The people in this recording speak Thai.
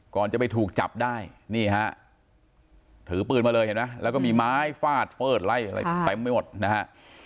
ก่อนจะไปถูกจับได้นี่ฮะถือปืนมาเลยเห็นไหมแล้วก็มีไม้ฟาดเฟิดไล่อะไรเต็มไปหมดนะฮะ